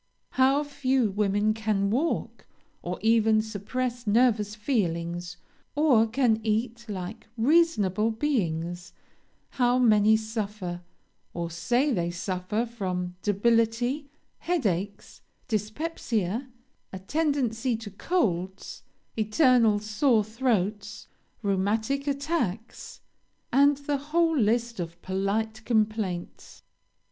How few women can walk, or can suppress nervous feelings, or can eat like reasonable beings: how many suffer, or say they suffer from debility, headaches, dyspepsia, a tendency to colds, eternal sore throats, rheumatic attacks, and the whole list of polite complaints!